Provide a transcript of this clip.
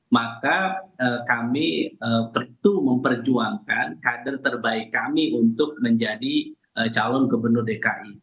maka kami tentu memperjuangkan kader terbaik kami untuk menjadi calon gubernur dki